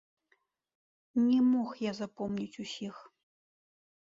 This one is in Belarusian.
Не мог я запомніць усіх.